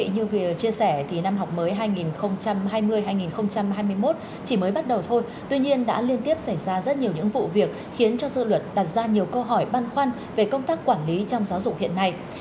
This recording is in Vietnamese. như chia sẻ thì năm học mới hai nghìn hai mươi hai nghìn hai mươi một chỉ mới bắt đầu thôi tuy nhiên đã liên tiếp xảy ra rất nhiều những vụ việc khiến cho dư luận đặt ra nhiều câu hỏi băn khoăn về công tác quản lý trong giáo dục hiện nay